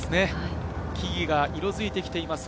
木々が色づいてきています。